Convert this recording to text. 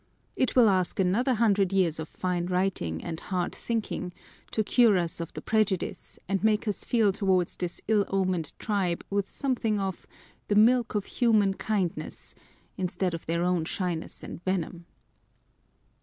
It will ask another hundred years of fine writing and hard thinking to cure us of the prejudice, and make us feel towards this ill omened tribe with something of " the milk of human kindness," instead of their own shyness and venom.